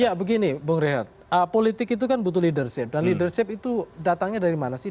ya begini bung rehat politik itu kan butuh leadership dan leadership itu datangnya dari mana sih